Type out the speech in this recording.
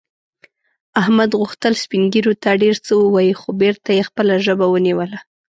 احمد غوښتل سپین ږیرو ته ډېر څه ووايي، خو بېرته یې خپله ژبه ونیوله.